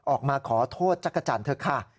ออกมาขอโทษจักรจันทร์เถอะค่ะ